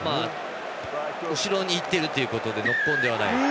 後ろに行っているということでノックオンではない。